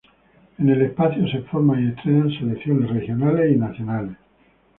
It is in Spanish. En el espacio se forman y entrenan selecciones regionales y nacionales.